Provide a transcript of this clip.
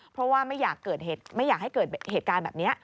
เพราะว่าไม่อยากให้เกิดเหตุการณ์แบบนี้